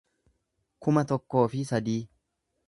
kuma tokkoo fi sadii